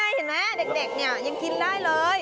เห็นไหมเด็กเนี่ยยังกินได้เลย